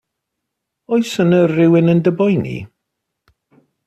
Oes yna rywun yn dy boeni?